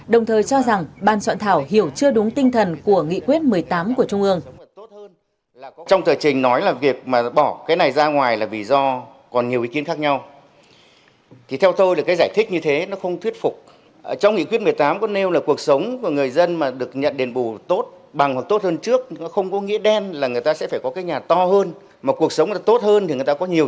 đồng thời cho rằng ban soạn thảo hiểu chưa đúng tinh thần của nghị quyết một mươi tám của trung ương